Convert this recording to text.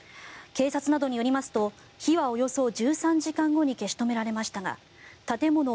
警察などによりますと火はおよそ１３時間後に消し止められましたが建物